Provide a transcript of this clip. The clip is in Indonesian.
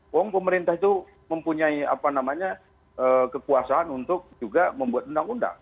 wong pemerintah itu mempunyai kekuasaan untuk juga membuat undang undang